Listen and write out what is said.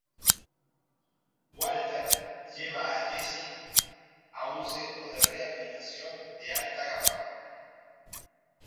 Walter lleva a Jesse a un centro de rehabilitación de alta gama.